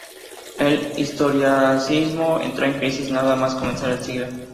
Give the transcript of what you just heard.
El historicismo entra en crisis nada más comenzar el siglo.